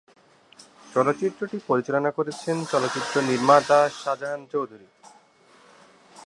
চলচ্চিত্রটি পরিচালনা করেছেন চলচ্চিত্র নির্মাতা শাহজাহান চৌধুরী।